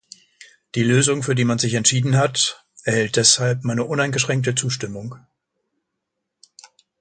Die Lösung, für die man sich entschieden hat, erhält deshalb meine uneingeschränkte Zustimmung.